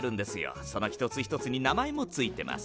その一つ一つに名前も付いてます。